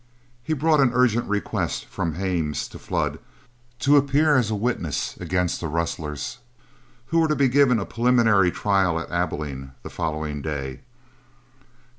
He brought an urgent request from Hames to Flood to appear as a witness against the rustlers, who were to be given a preliminary trial at Abilene the following day.